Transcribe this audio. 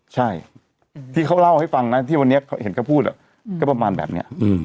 ใช่ที่เขาเล่าให้ฟังนะที่วันนี้เขาเห็นเขาพูดก็ประมาณแบบนี้